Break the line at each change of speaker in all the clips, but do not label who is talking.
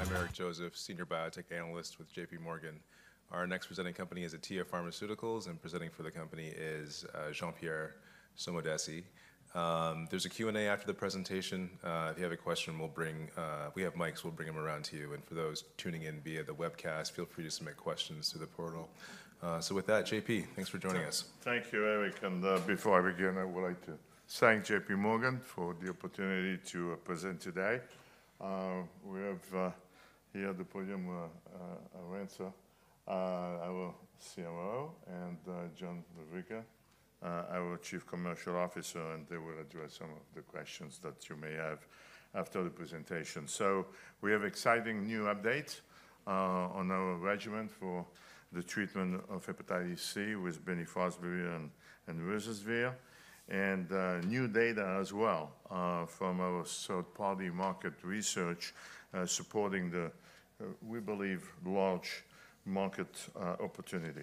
Good afternoon. Welcome. I'm Eric Joseph, Senior Biotech Analyst with J.P. Morgan. Our next presenting company is Atea Pharmaceuticals, and presenting for the company is Jean-Pierre Sommadossi. There's a Q&A after the presentation. If you have a question, we'll bring—if we have mics, we'll bring them around to you. And for those tuning in via the webcast, feel free to submit questions through the portal. So with that, J.P., thanks for joining us.
Thank you, Eric. Before I begin, I would like to thank J.P. Morgan for the opportunity to present today. We have here on the podium Arantxa, our CMO, and John Vavricka, our Chief Commercial Officer, and they will address some of the questions that you may have after the presentation. We have exciting new updates on our regimen for the treatment of Hepatitis C with bemnifosbuvir and ruzasvir, and new data as well from our third-party market research supporting the, we believe, large market opportunity.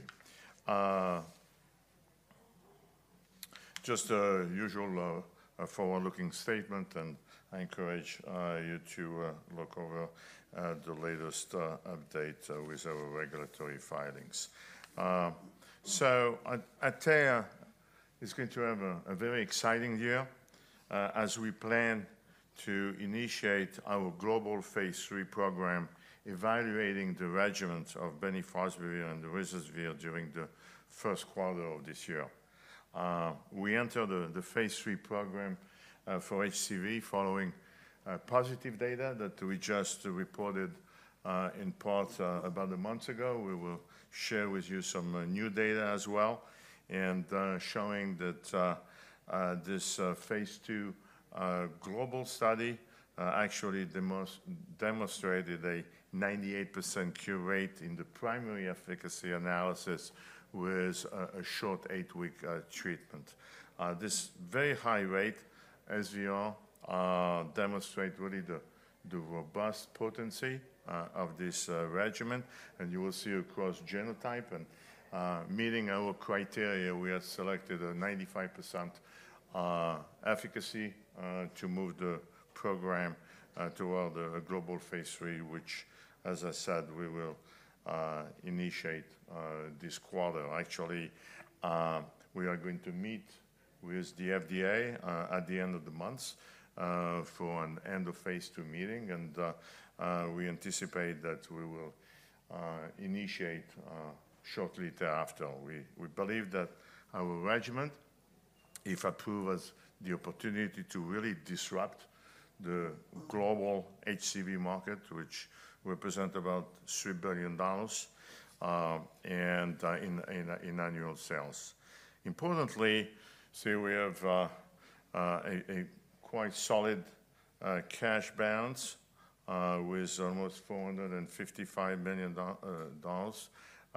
Just a usual forward-looking statement, and I encourage you to look over the latest update with our regulatory filings. Atea is going to have a very exciting year as we plan to initiate our global phase III program, evaluating the regimens of bemnifosbuvir and ruzasvir during the first quarter of this year. We enter the phase III program for HCV following positive data that we just reported in part about a month ago. We will share with you some new data as well, showing that this phase II Global study actually demonstrated a 98% cure rate in the primary efficacy analysis with a short eight-week treatment. This very high rate, as you know, demonstrates really the robust potency of this regimen, and you will see across genotype, and meeting our criteria, we have selected a 95% efficacy to move the program toward the Global phase III, which, as I said, we will initiate this quarter. Actually, we are going to meet with the FDA at the end of the month for an End of phase II meeting, and we anticipate that we will initiate shortly thereafter. We believe that our regimen, if approved, has the opportunity to really disrupt the global HCV market, which represents about $3 billion in annual sales. Importantly, we have a quite solid cash balance with almost $455 million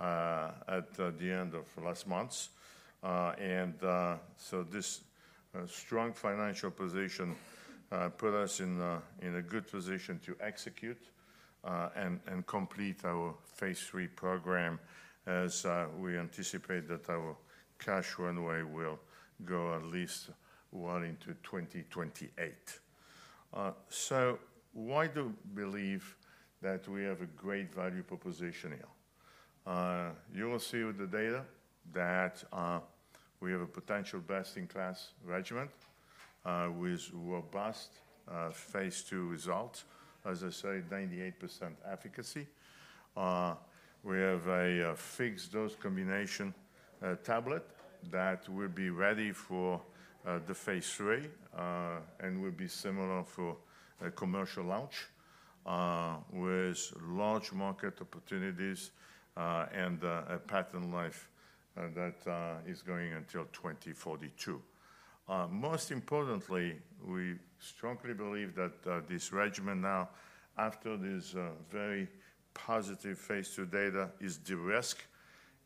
at the end of last month. And so this strong financial position put us in a good position to execute and complete our phase III program, as we anticipate that our cash runway will go at least well into 2028. So why do we believe that we have a great value proposition here? You will see with the data that we have a potential best-in-class regimen with robust phase II results. As I said, 98% efficacy. We have a fixed-dose combination tablet that will be ready for the phase III and will be similar for commercial launch with large market opportunities and a patent life that is going until 2042. Most importantly, we strongly believe that this regimen now, after this very positive phase II data, is de-risked.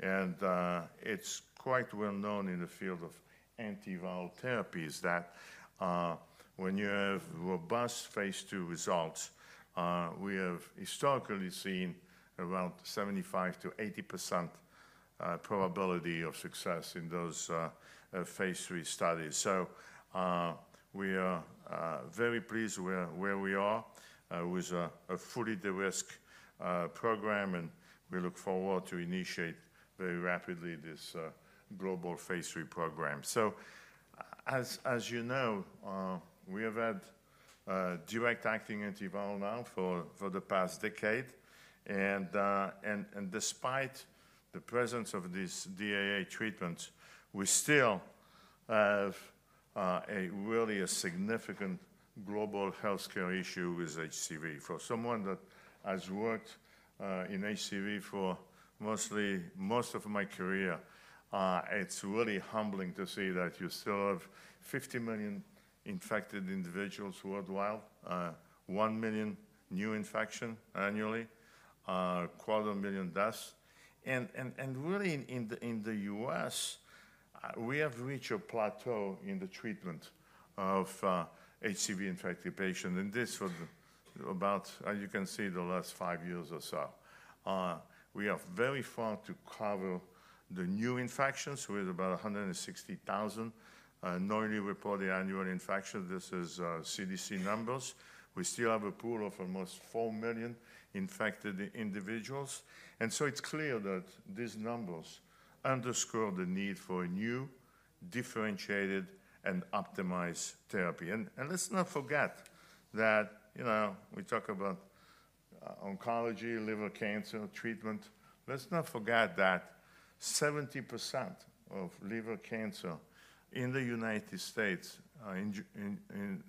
It's quite well known in the field of antiviral therapies that when you have robust phase II results, we have historically seen around 75%-80% probability of success in those phase III studies. We are very pleased with where we are with a fully de-risked program, and we look forward to initiating very rapidly this global phase III program. As you know, we have had direct-acting antiviral now for the past decade, and despite the presence of these DAA treatments, we still have really a significant global healthcare issue with HCV. For someone that has worked in HCV for most of my career, it's really humbling to see that you still have 50 million infected individuals worldwide, one million new infections annually, 250,000 deaths. And really, in the U.S., we have reached a plateau in the treatment of HCV-infected patients, and this for about, as you can see, the last five years or so. We are very far to cover the new infections with about 160,000 newly reported annual infections. This is CDC numbers. We still have a pool of almost 4 million infected individuals. And so it's clear that these numbers underscore the need for new, differentiated, and optimized therapy. And let's not forget that, you know, we talk about oncology, liver cancer treatment. Let's not forget that 70% of liver cancer in the United States, in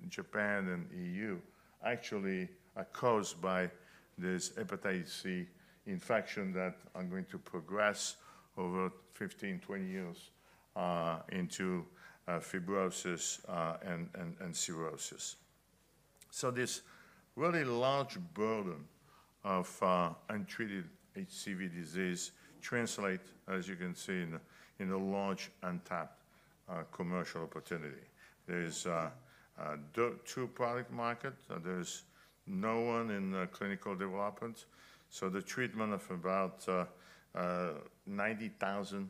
Japan, and the EU, actually are caused by this Hepatitis C infection that are going to progress over 15-20 years into fibrosis and cirrhosis. So this really large burden of untreated HCV disease translates, as you can see, in a large untapped commercial opportunity. There are two product markets. There's no one in clinical development. So the treatment of about 90,000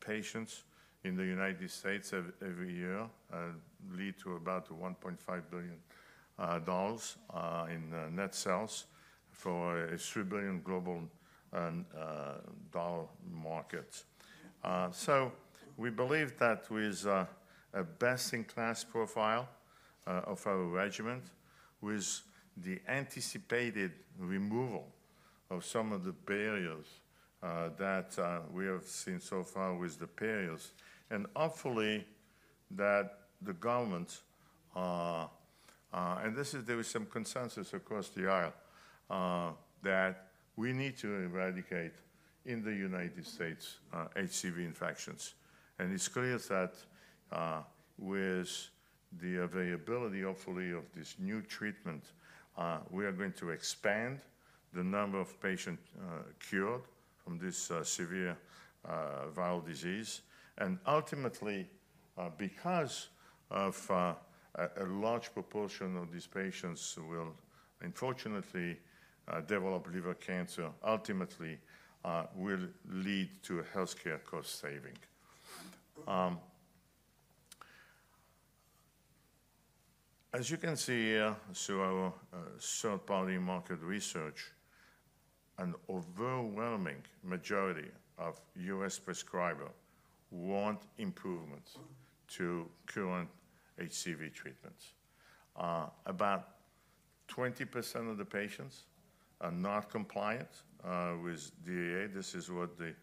patients in the United States every year leads to about $1.5 billion in net sales for a $3 billion global dollar market. So we believe that with a best-in-class profile of our regimen, with the anticipated removal of some of the barriers that we have seen so far with the payers, and hopefully that the government, and there is some consensus across the aisle, that we need to eradicate in the United States HCV infections. It's clear that with the availability, hopefully, of this new treatment, we are going to expand the number of patients cured from this severe viral disease. Ultimately, because a large proportion of these patients will, unfortunately, develop liver cancer, it will lead to healthcare cost saving. As you can see here, through our third-party market research, an overwhelming majority of U.S., prescribers want improvements to current HCV treatments. About 20% of the patients are not compliant with DAA. This is what the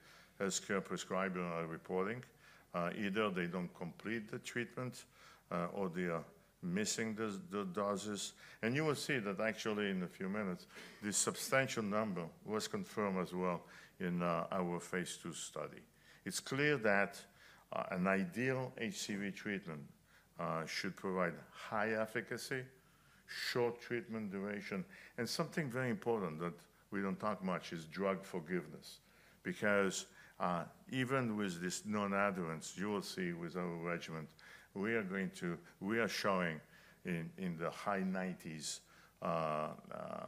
healthcare prescribers are reporting. Either they don't complete the treatment or they are missing the doses. And you will see that actually in a few minutes, this substantial number was confirmed as well in our phase II study. It's clear that an ideal HCV treatment should provide high efficacy, short treatment duration, and something very important that we don't talk much is drug forgiveness. Because even with this non-adherence, you will see with our regimen, we are going to—we are showing in the high 90% of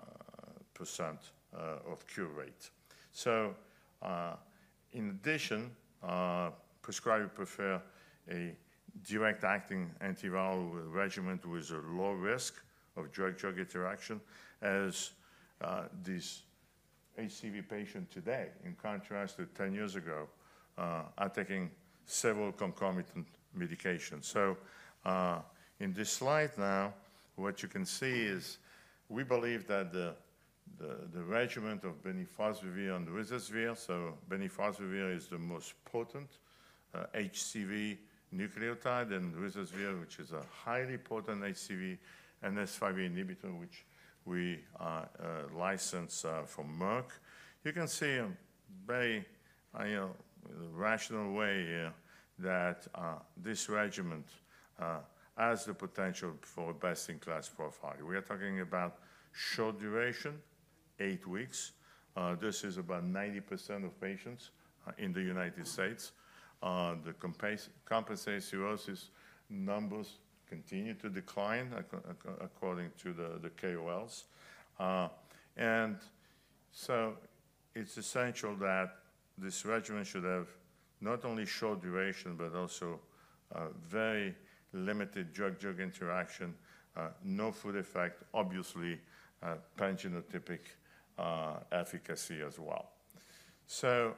cure rate. So in addition, prescribers prefer a direct-acting antiviral regimen with a low risk of drug-drug interaction, as these HCV patients today, in contrast to 10 years ago, are taking several concomitant medications. So in this slide now, what you can see is we believe that the regimen of bemnifosbuvir and ruzasvir—so bemnifosbuvir is the most potent HCV nucleotide and ruzasvir, which is a highly potent HCV NS5A inhibitor, which we license from Merck. You can see a very rational way here that this regimen has the potential for best-in-class profile. We are talking about short duration, eight weeks. This is about 90% of patients in the United States. The compensated cirrhosis numbers continue to decline according to the KOLs. And so it's essential that this regimen should have not only short duration, but also very limited drug-drug interaction, no food effect, obviously pangenotypic efficacy as well. So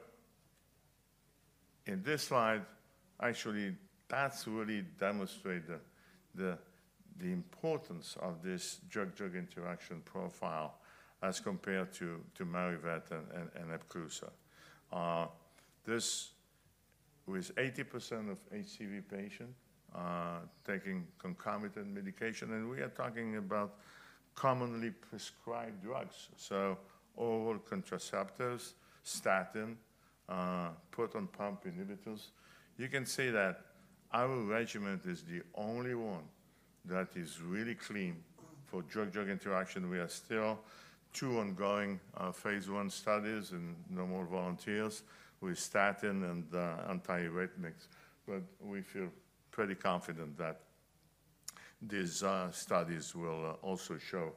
in this slide, actually, that's really demonstrating the importance of this drug-drug interaction profile as compared to Mavyret and Epclusa. This, with 80% of HCV patients taking concomitant medication, and we are talking about commonly prescribed drugs. So oral contraceptives, statins, proton pump inhibitors. You can see that our regimen is the only one that is really clean for drug-drug interaction. We are still two ongoing phase I studies in more volunteers with statins and antiarrhythmics, but we feel pretty confident that these studies will also show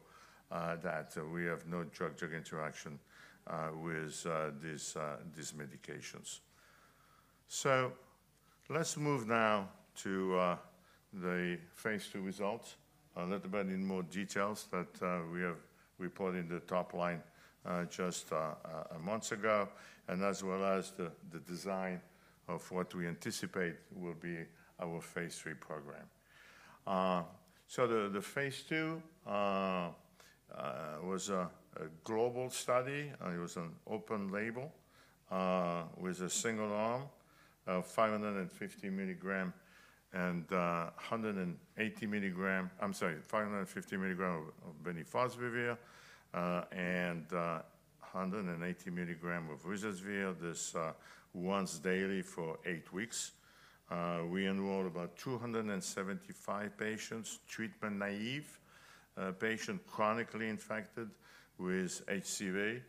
that we have no drug-drug interaction with these medications. So let's move now to the phase II results, a little bit in more detail that we have reported in the top-line just a month ago, and as well as the design of what we anticipate will be our phase III program. So the phase II was a global study. It was an open label with a single arm, 550 milligram and 180 milligram—I'm sorry, 550 milligram of bemnifosbuvir and 180 milligram of ruzasvir, this once daily for eight weeks. We enrolled about 275 patients, treatment naive patients, chronically infected with HCV,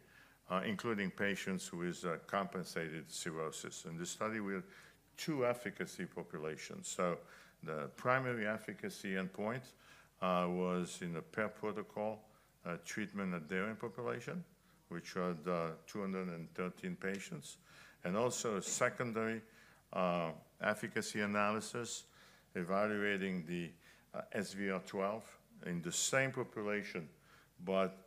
including patients with compensated cirrhosis. And this study with two efficacy populations. So the primary efficacy endpoint was in a per-protocol treatment in a per-protocol population, which had 213 patients, and also a secondary efficacy analysis evaluating the SVR12 in the same population, but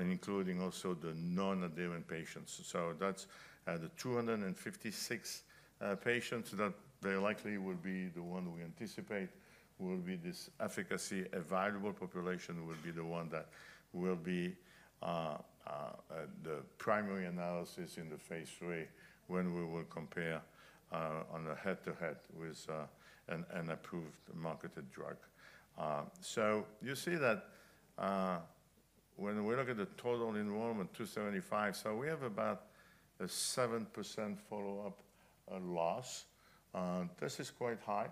including also the non-adherent patients. So that's had 256 patients that they likely will be the one we anticipate will be this efficacy evaluable population will be the one that will be the primary analysis in the phase III when we will compare on a head-to-head with an approved marketed drug. You see that when we look at the total enrollment, 275, so we have about a 7% follow-up loss. This is quite high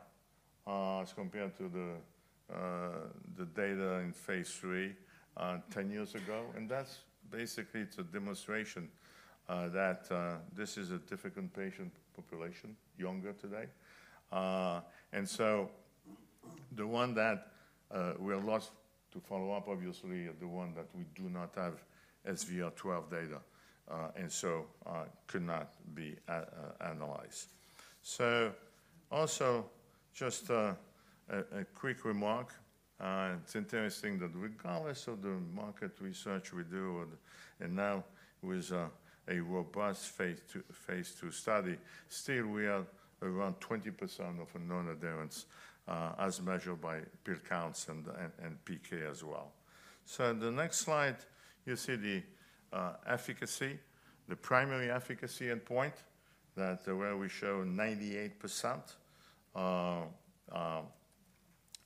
as compared to the data in phase III 10 years ago. That's basically to demonstrate that this is a difficult patient population younger today. The one that we are lost to follow up, obviously, is the one that we do not have SVR12 data, and so could not be analyzed. Also just a quick remark. It's interesting that regardless of the market research we do, and now with a robust phase II study, still we are around 20% of non-adherence as measured by pill counts and PK as well. The next slide, you see the efficacy, the primary efficacy endpoint that where we show 98%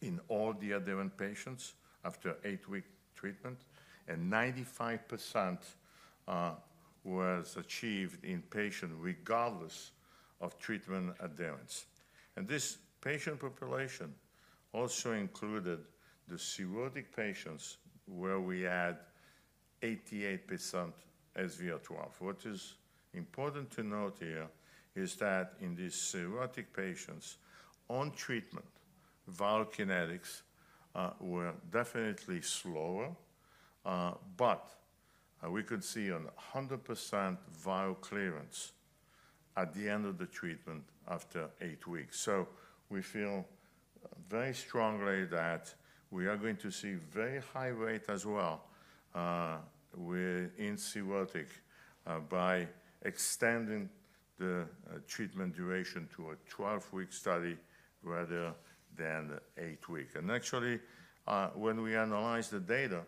in all the adherent patients after eight-week treatment, and 95% was achieved in patients regardless of treatment adherence. This patient population also included the cirrhotic patients where we had 88% SVR12. What is important to note here is that in these cirrhotic patients, on treatment, viral kinetics were definitely slower, but we could see 100% viral clearance at the end of the treatment after eight weeks. We feel very strongly that we are going to see very high rate as well within cirrhotic by extending the treatment duration to a 12-week study rather than eight-week. Actually, when we analyze the data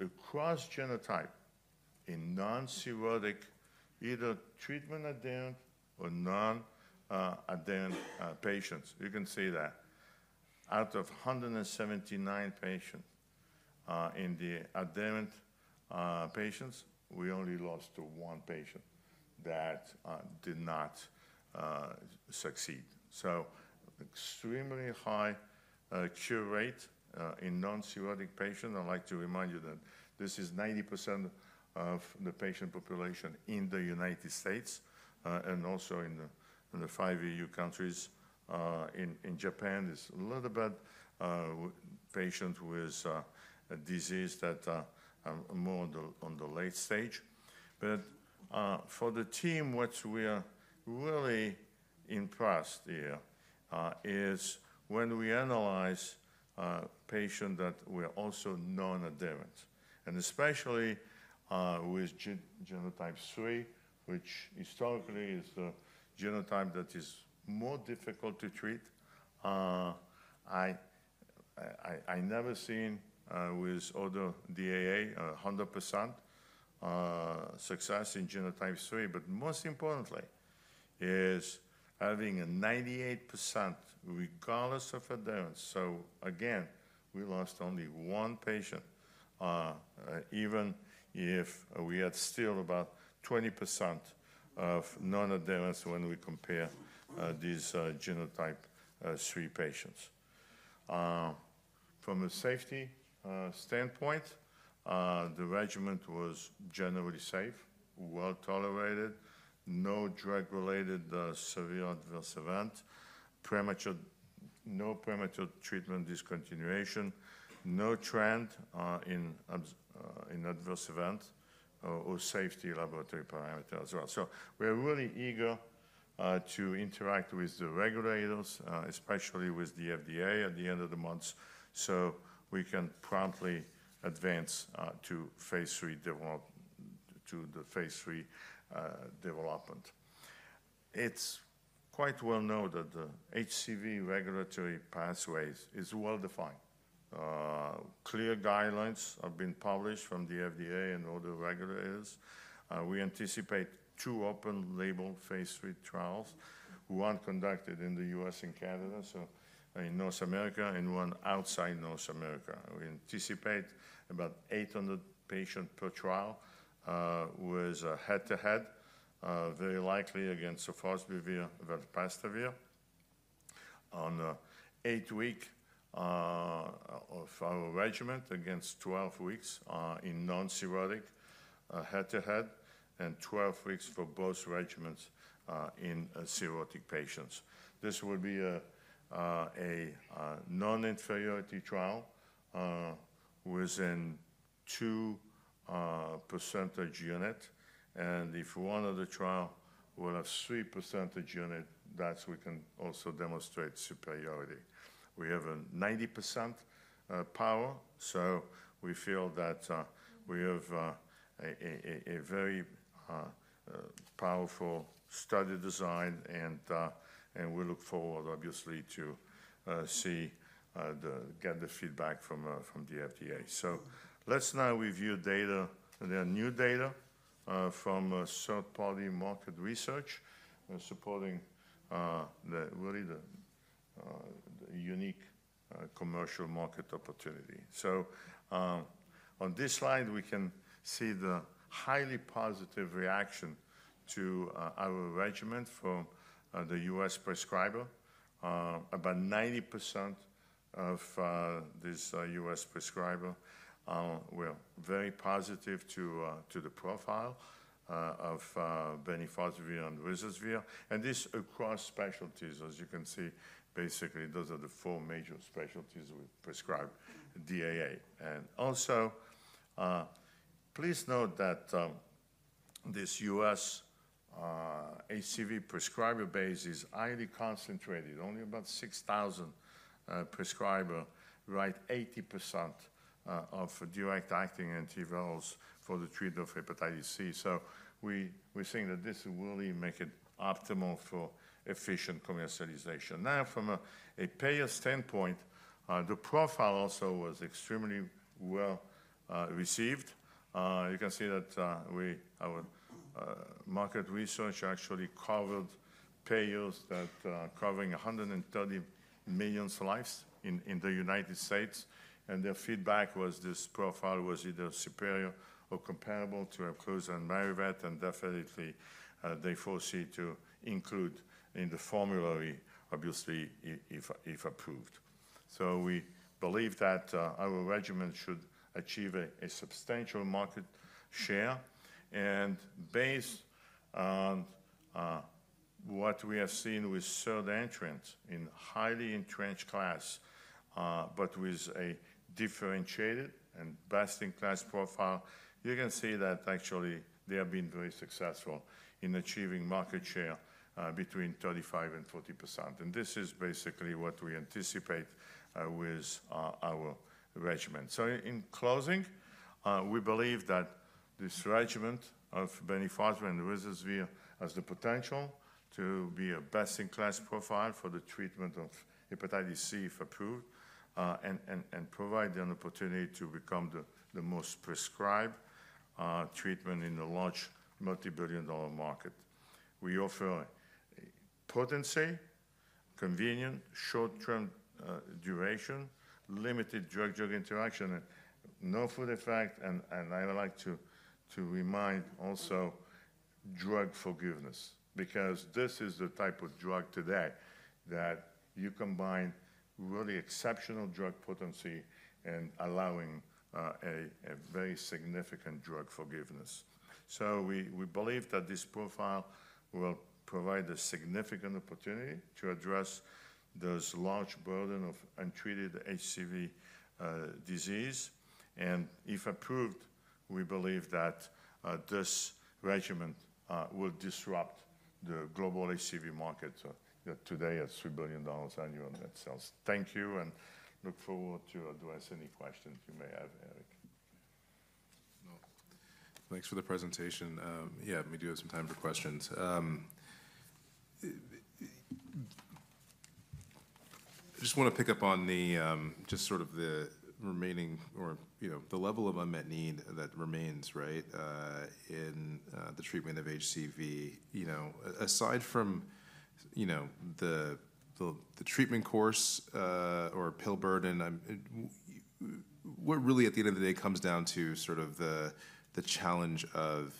across genotype in non-cirrhotic, either treatment-adherent or non-adherent patients, you can see that out of 179 patients in the adherent patients, we only lost to one patient that did not succeed. So extremely high cure rate in non-cirrhotic patients. I'd like to remind you that this is 90% of the patient population in the United States and also in the five EU countries. In Japan, it's a little bit patients with disease that are more on the late stage. But for the team, what we are really impressed here is when we analyze patients that were also non-adherent, and especially with genotype III, which historically is the genotype that is more difficult to treat. I never seen with other DAA 100% success in genotype III, but most importantly is having a 98% regardless of adherence. So again, we lost only one patient, even if we had still about 20% of non-adherence when we compare these genotype 3 patients. From a safety standpoint, the regimen was generally safe, well tolerated, no drug-related severe adverse event, no premature treatment discontinuation, no trend in adverse event or safety laboratory parameters as well. So we're really eager to interact with the regulators, especially with the FDA at the end of the month, so we can promptly advance to phase 3 development. It's quite well known that the HCV regulatory pathway is well defined. Clear guidelines have been published from the FDA and other regulators. We anticipate two open label phase 3 trials, one conducted in the U.S., and Canada, so in North America, and one outside North America. We anticipate about 800 patients per trial with head-to-head, very likely against sofosbuvir and velpatasvir on eight weeks of our regimen, against 12 weeks in non-cirrhotic head-to-head, and 12 weeks for both regimens in cirrhotic patients. This will be a non-inferiority trial within two percentage points, and if one of the trials will have three percentage points, that we can also demonstrate superiority. We have a 90% power, so we feel that we have a very powerful study design, and we look forward, obviously, to see the feedback from the FDA, so let's now review data. There are new data from third-party market research supporting really the unique commercial market opportunity, so on this slide, we can see the highly positive reaction to our regimen from the U.S., prescribers. About 90% of these U.S.,prescribers were very positive to the profile of bemnifosbuvir and ruzasvir, and this across specialties. As you can see, basically, those are the four major specialties we prescribe DAA. Also, please note that this U.S. HCV prescriber base is highly concentrated. Only about 6,000 prescribers write 80% of direct-acting antivirals for the treatment of hepatitis C. So we're seeing that this will really make it optimal for efficient commercialization. Now, from a payer standpoint, the profile also was extremely well received. You can see that our market research actually covered payers that are covering 130 million lives in the United States, and their feedback was this profile was either superior or comparable to Epclusa and Mavyret, and definitely they foresee to include in the formulary, obviously, if approved. So we believe that our regimen should achieve a substantial market share. Based on what we have seen with third entrants in highly entrenched class, but with a differentiated and best-in-class profile, you can see that actually they have been very successful in achieving market share between 35% and 40%. And this is basically what we anticipate with our regimen. So in closing, we believe that this regimen of bemnifosbuvir and ruzasvir has the potential to be a best-in-class profile for the treatment of hepatitis C if approved, and provide an opportunity to become the most prescribed treatment in the large multi-billion-dollar market. We offer potency, convenience, short-term duration, limited drug-drug interaction, no food effect, and I'd like to remind also drug forgiveness, because this is the type of drug today that you combine really exceptional drug potency and allowing a very significant drug forgiveness. So we believe that this profile will provide a significant opportunity to address those large burden of untreated HCV disease. And if approved, we believe that this regimen will disrupt the global HCV market today at $3 billion annual net sales. Thank you, and look forward to addressing any questions you may have, Eric.
Thanks for the presentation. Yeah, maybe you have some time for questions. I just want to pick up on just sort of the remaining or the level of unmet need that remains, right, in the treatment of HCV. Aside from the treatment course or pill burden, what really, at the end of the day, comes down to sort of the challenge of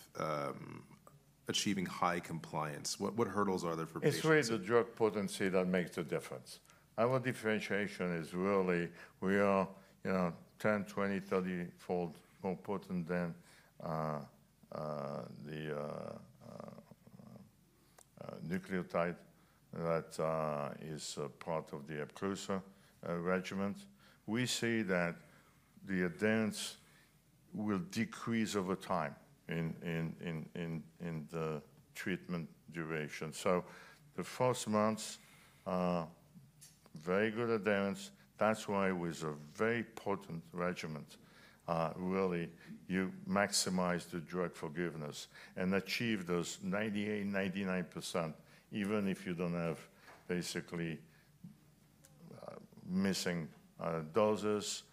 achieving high compliance? What hurdles are there for patients?
It's really the drug potency that makes the difference. Our differentiation is really we are 10, 20, 30-fold more potent than the nucleotide that is part of the Epclusa regimen. We see that the adherence will decrease over time in the treatment duration. So the first months, very good adherence. That's why with a very potent regimen, really, you maximize the drug forgiveness and achieve those 98%-99%, even if you don't have basically missing doses,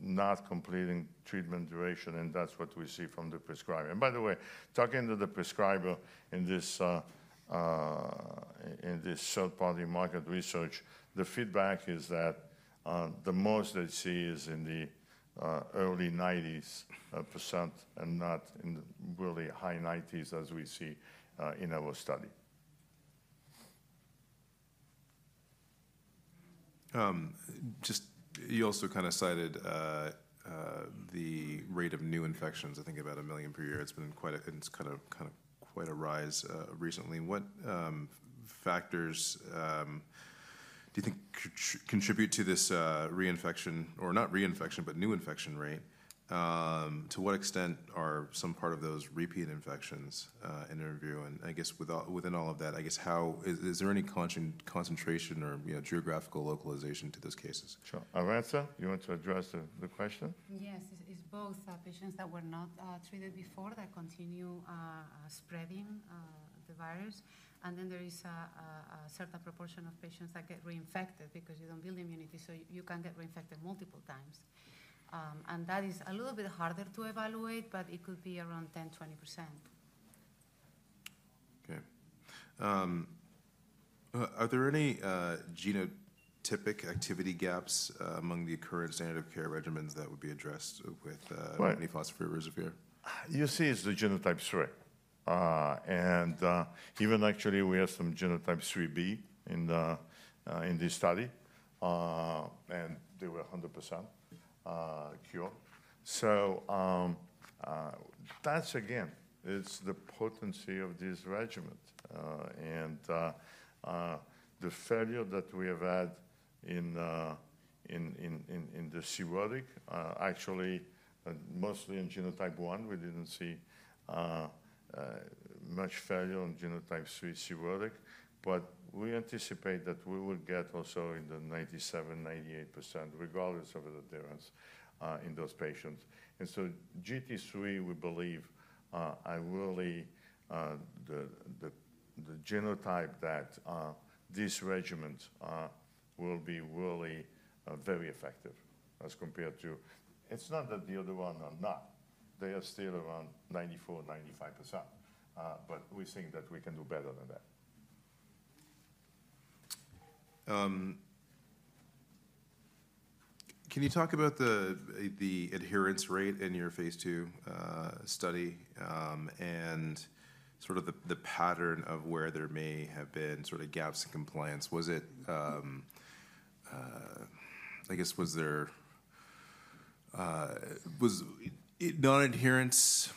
not completing treatment duration, and that's what we see from the prescriber. And by the way, talking to the prescriber in this third-party market research, the feedback is that the most they see is in the early 90% and not in the really high 90s as we see in our study.
Just, you also kind of cited the rate of new infections. I think about a million per year. It's been quite a rise recently. What factors do you think contribute to this reinfection or not reinfection, but new infection rate? To what extent are some part of those repeat infections in review? And I guess within all of that, I guess, is there any concentration or geographical localization to those cases?
Sure. Arantxa, you want to address the question?
Yes. It's both patients that were not treated before that continue spreading the virus. And then there is a certain proportion of patients that get reinfected because you don't build immunity, so you can get reinfected multiple times. And that is a little bit harder to evaluate, but it could be around 10%-20%.
Okay. Are there any genotypic activity gaps among the current standard of care regimens that would be addressed with bemnifosbuvir and ruzasvir?
You see it's the genotype 3. And even actually, we have some genotype 3B in this study, and they were 100% cured. So that's, again, it's the potency of this regimen. And the failure that we have had in the cirrhotic, actually, mostly in genotype 1, we didn't see much failure in genotype 3 cirrhotic, but we anticipate that we will get also in the 97-98%, regardless of the difference in those patients. And so GT3, we believe, the genotype that this regimen will be really very effective as compared to. It's not that the other ones are not. They are still around 94-95%, but we think that we can do better than that.
Can you talk about the adherence rate in your phase II study and sort of the pattern of where there may have been sort of gaps in compliance? I guess, was there non-adherence?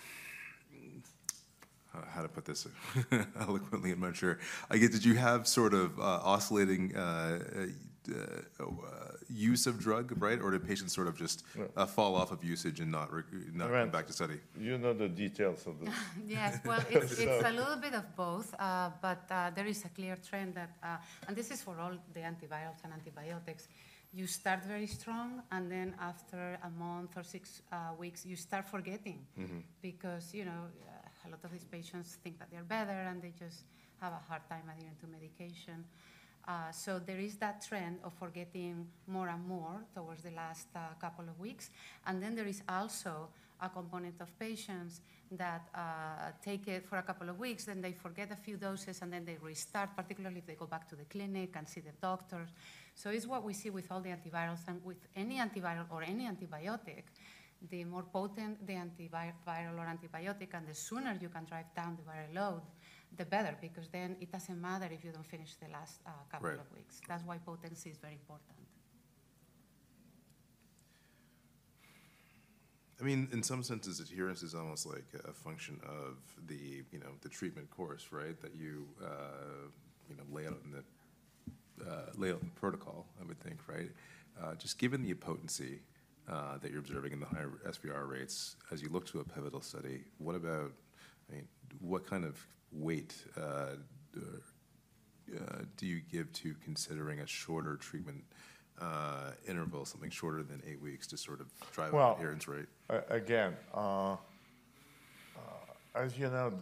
How to put this eloquently, I'm not sure. I guess, did you have sort of oscillating use of drug, right? Or did patients sort of just fall off of usage and not come back to study?
You know the details of this.
Yes. Well, it's a little bit of both, but there is a clear trend that, and this is for all the antivirals and antibiotics, you start very strong, and then after a month or six weeks, you start forgetting, because a lot of these patients think that they're better, and they just have a hard time adhering to medication. So there is that trend of forgetting more and more towards the last couple of weeks. And then there is also a component of patients that take it for a couple of weeks, then they forget a few doses, and then they restart, particularly if they go back to the clinic and see the doctor. So it's what we see with all the antivirals and with any antiviral or any antibiotic. The more potent the antiviral or antibiotic, and the sooner you can drive down the viral load, the better, because then it doesn't matter if you don't finish the last couple of weeks. That's why potency is very important.
I mean, in some sense, this adherence is almost like a function of the treatment course, right, that you lay out in the protocol, I would think, right? Just given the potency that you're observing in the high SVR rates, as you look to a pivotal study, what about, I mean, what kind of weight do you give to considering a shorter treatment interval, something shorter than eight weeks to sort of drive adherence rate?
Well, again, as you know,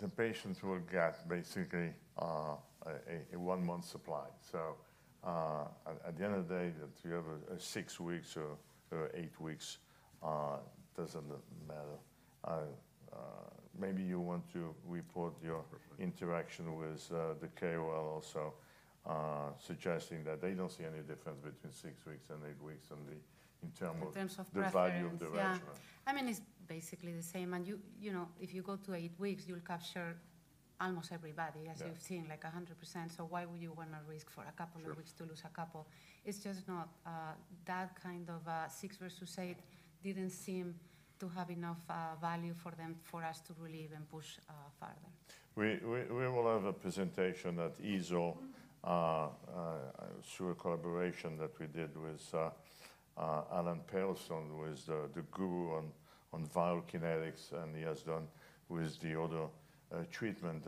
the patients will get basically a one-month supply. So at the end of the day, that you have six weeks or eight weeks doesn't matter. Maybe you want to report your interaction with the KOL also, suggesting that they don't see any difference between six weeks and eight weeks in terms of the value of the regimen.
In terms of pressure. Yeah. I mean, it's basically the same. And if you go to eight weeks, you'll capture almost everybody, as you've seen, like 100%. So why would you want to risk for a couple of weeks to lose a couple? It's just not that kind of six versus eight didn't seem to have enough value for us to really even push further.
We will have a presentation at CROI, a collaboration that we did with Alan Perelson, who is the guru on viral kinetics, and he has done with the other treatment,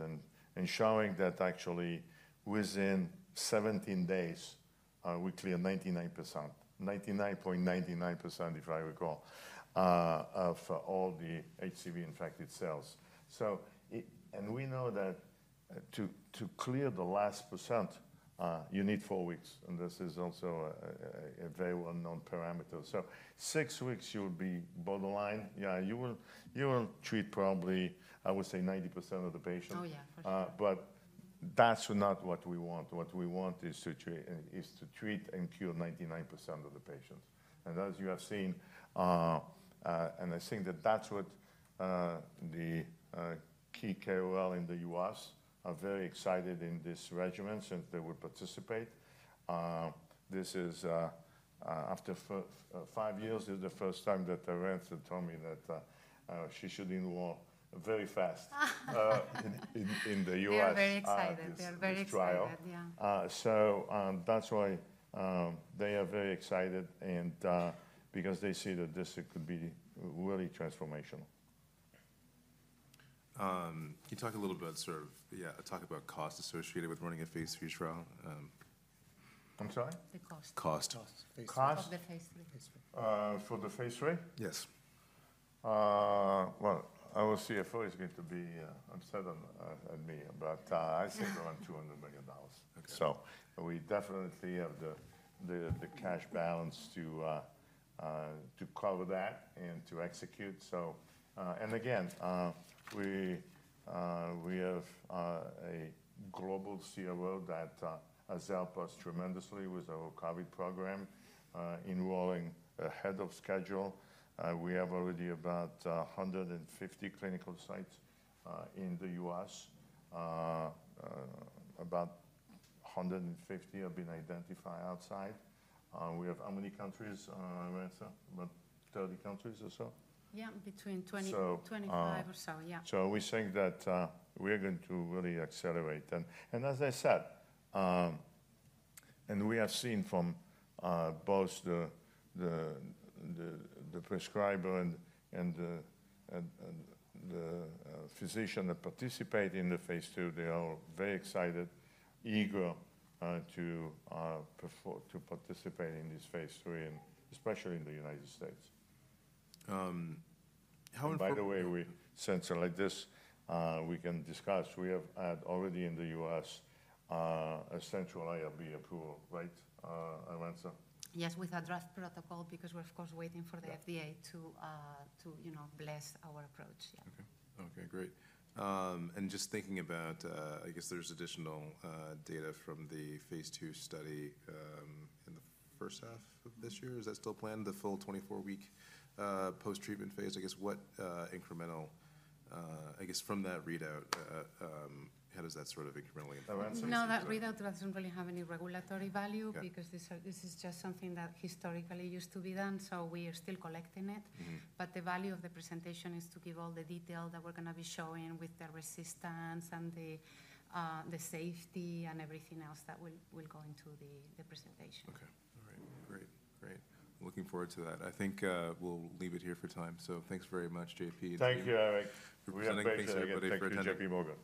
and showing that actually within 17 days, we cleared 99%, 99.99%, if I recall, of all the HCV-infected cells, and we know that to clear the last percent, you need four weeks, and this is also a very well-known parameter, so six weeks, you'll be borderline. Yeah, you will treat probably, I would say, 90% of the patients.
Oh, yeah, for sure.
But that's not what we want. What we want is to treat and cure 99% of the patients. And as you have seen, and I think that that's what the key KOL in the U.S. are very excited in this regimen since they will participate. This is after five years, this is the first time that Arantxa told me that she should enroll very fast in the U.S.
They are very excited.
In this trial.
Yeah.
That's why they are very excited, and because they see that this could be really transformational.
Can you talk a little bit about sort of, yeah, talk about cost associated with running a phase II trial?
I'm sorry?
The cost.
Cost.
Cost of the phase III.
For the phase III?
Yes.
Our CFO is going to be upset on me, but I said around $200 million. So we definitely have the cash balance to cover that and to execute. Again, we have a global COO that has helped us tremendously with our COVID program, enrolling ahead of schedule. We have already about 150 clinical sites in the U.S. About 150 have been identified outside. We have how many countries, Arantxa? About 30 countries or so?
Yeah, between 20 to 25 or so, yeah.
So we think that we are going to really accelerate that. And as I said, we have seen from both the prescriber and the physician that participate in the phase II, they are very excited, eager to participate in this phase III, especially in the United States.
How.
And by the way, we said so like this, we can discuss. We have had already in the U.S., a central IRB approval, right, Arantxa?
Yes, with a draft protocol, because we're, of course, waiting for the FDA to bless our approach, yeah.
Okay. Okay, great. And just thinking about, I guess there's additional data from the phase II study in the first half of this year. Is that still planned, the full 24-week post-treatment phase? I guess what incremental, I guess from that readout, how does that sort of incrementally inform?
No, that readout doesn't really have any regulatory value, because this is just something that historically used to be done, so we are still collecting it. But the value of the presentation is to give all the detail that we're going to be showing with the resistance and the safety and everything else that will go into the presentation.
Okay. All right. Great. Great. Looking forward to that. I think we'll leave it here for time. So thanks very much, JP.
Thank you, Eric.
We appreciate everybody for attending.